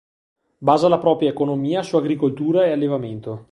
Basa la propria economia su agricoltura e allevamento.